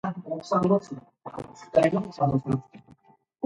Bowerman served on the Lansing city council for two terms.